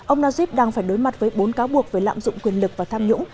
ông najib đang phải đối mặt với bốn cáo buộc về lạm dụng quyền lực và tham nhũng